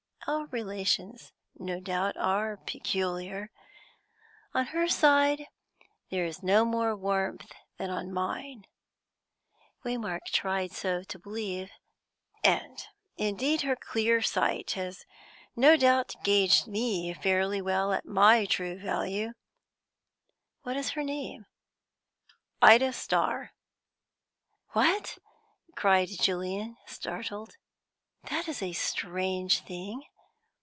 Our relations, no doubt, are peculiar; on her side there is no more warmth than on mine" Waymark tried so to believe "and indeed her clear sight has no doubt gauged me fairly well at my true value." "What is her name?" "Ida Starr." "What!" cried Julian startled. "That is a strange thing!